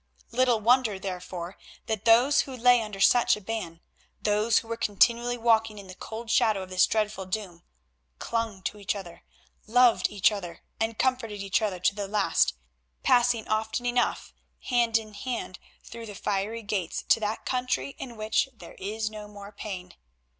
Little wonder, therefore, that those who lay under such a ban, those who were continually walking in the cold shadow of this dreadful doom, clung to each other, loved each other, and comforted each other to the last, passing often enough hand in hand through the fiery gates to that country in which there is no more pain.